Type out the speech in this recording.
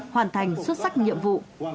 hoàn thành xuất sắc nhiệm vụ